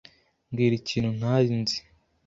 Mbwira ikintu ntari nzi.